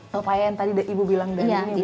pepaya yang tadi ibu bilang dan ini ibu ya